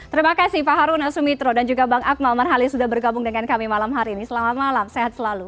terima kasih pak haruna sumitro dan juga bang akmal marhali sudah bergabung dengan kami malam hari ini selamat malam sehat selalu